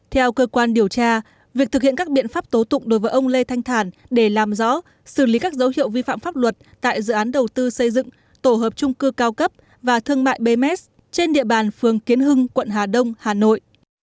theo cơ quan điều tra việc thực hiện các biện pháp tố tụng đối với ông lê thanh thản để làm rõ xử lý các dấu hiệu vi phạm pháp luật tại dự án đầu tư xây dựng tổ hợp trung cư cao cấp và thương mại bms trên địa bàn phường kiến hưng quận hà đông hà nội